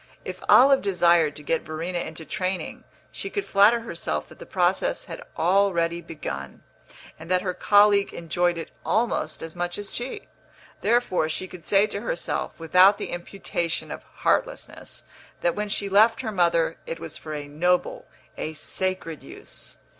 If Olive desired to get Verena into training, she could flatter herself that the process had already begun, and that her colleague enjoyed it almost as much as she. Therefore she could say to herself, without the imputation of heartlessness, that when she left her mother it was for a noble, a sacred use.